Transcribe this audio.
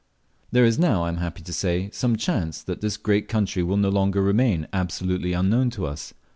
There is now, I am happy to say, some chance that this great country will no longer remain absolutely unknown to us.